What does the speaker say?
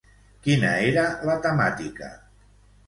Quina era la temàtica?